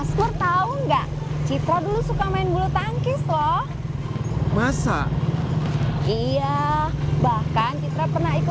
sampai jumpa di video selanjutnya